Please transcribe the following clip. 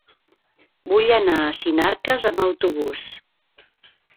Vull anar a Sinarques amb autobús.